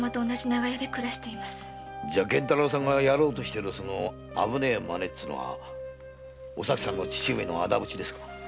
じゃ源太郎さんがやろうとしている危ないまねってのはお咲さんの父上の仇討ちですか。